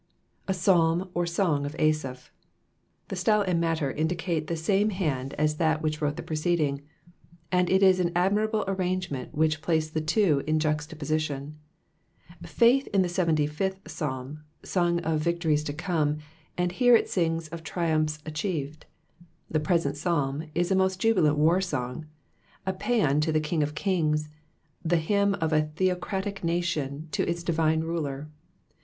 A Psalm or Song of Asaph. The style ana matter iwUcate the same hand as tftat which wrote the preceding ; and U is an admiralAe arrangement which placed the two in juxtaposition. Fhith in the 15th Psabn sung of victories to come^ and here it sings of IHumphs cLchieved. The present Psalm is a most jubilant war song, a pcnan to the King of kings, the hymn of a theocratic nation to its divine ruler.